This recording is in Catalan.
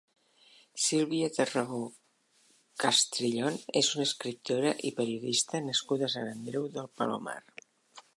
Sílvia Tarragó Castrillón és una escriptora i periodista nascuda a Sant Andreu de Palomar.